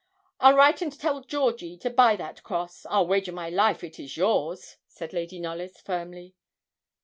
'I'll write and tell Georgie to buy that cross. I wager my life it is yours,' said Lady Knollys, firmly.